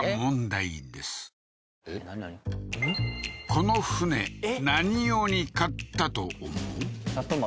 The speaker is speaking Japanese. この船何用に買ったと思う？